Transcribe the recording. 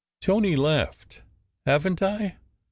Tony laughed. "Haven t I?